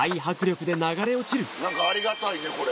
何かありがたいねこれ。